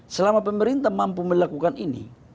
selama pemerintah mampu melakukan ini